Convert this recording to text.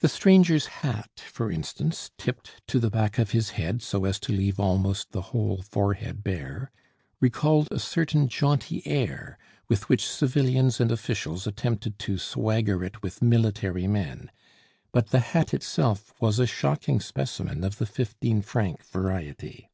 The stranger's hat, for instance, tipped to the back of his head so as to leave almost the whole forehead bare, recalled a certain jaunty air, with which civilians and officials attempted to swagger it with military men; but the hat itself was a shocking specimen of the fifteen franc variety.